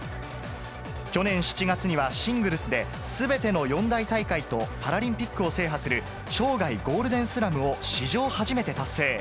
去年７月には、シングルスですべての四大大会とパラリンピックを制覇する、生涯ゴールデンスラムを史上初めて達成。